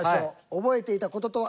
覚えていた事とは？